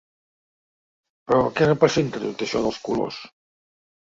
Però què representa tot això dels colors?